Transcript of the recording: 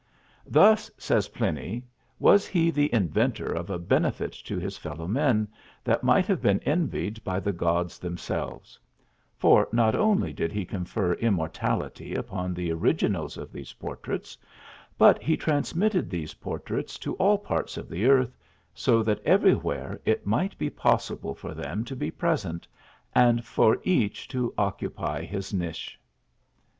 "Thus," says Pliny, "was he the inventor of a benefit to his fellow men that might have been envied by the gods themselves; for not only did he confer immortality upon the originals of these portraits, but he transmitted these portraits to all parts of the earth, so that everywhere it might be possible for them to be present, and for each to occupy his niche."